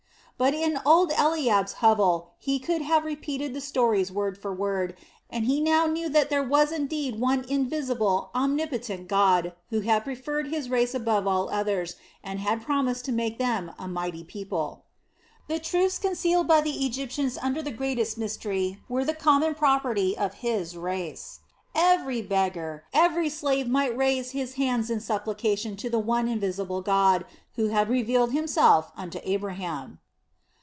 But in old Eliab's hovel he could have repeated the stories word for word, and he now knew that there was indeed one invisible, omnipotent God, who had preferred his race above all others, and had promised to make them a mighty people. The truths concealed by the Egyptians under the greatest mystery were the common property of his race. Every beggar, every slave might raise his hands in supplication to the one invisible God who had revealed Himself unto Abraham.